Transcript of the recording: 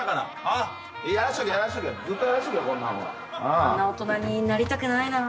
あんな大人になりたくないな。